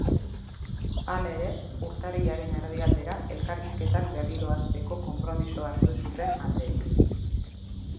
Hala ere, urtarrilaren erdialdera elkarrizketak berriro hasteko konpromisoa hartu zuten aldeek.